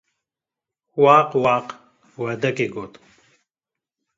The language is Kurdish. waq waq, werdekê got.